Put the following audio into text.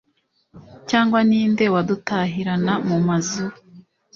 cyangwa ni nde wadutahirana mu mazu